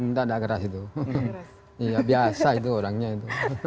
nggak nggak keras itu biasa itu orangnya itu